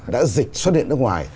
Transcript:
đã dịch xuất hiện nước ngoài